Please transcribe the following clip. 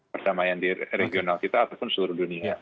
perdamaian di regional kita ataupun seluruh dunia